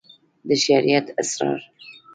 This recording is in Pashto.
د شريعت اسرار